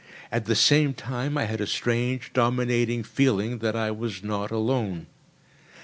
At the same time I had a strange, dominating feeling that I was not alone.